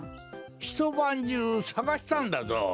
ひとばんじゅうさがしたんだぞ。